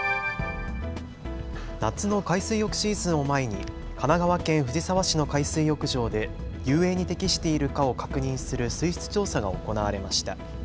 夏の海水浴シーズンを前に神奈川県藤沢市の海水浴場で遊泳に適しているかを確認する水質調査が行われました。